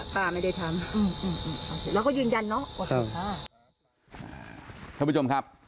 ท่านผู้ชมครับ